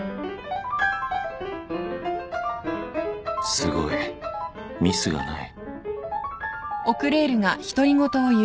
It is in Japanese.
すごいミスがない